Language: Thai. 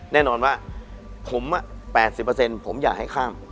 แน่นอนว่าผม๘๐ผมอยากให้ข้าม